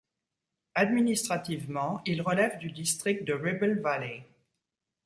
Administrativement, il relève du district de Ribble Valley.